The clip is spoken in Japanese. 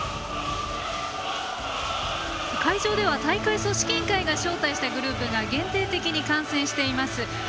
会場では大会組織委員会が招待したグループが限定的に観戦しています。